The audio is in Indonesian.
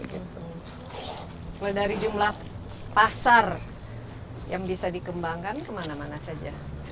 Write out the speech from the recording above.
kalau dari jumlah pasar yang bisa dikembangkan kemana mana saja